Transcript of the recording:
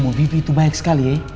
nah itulah udah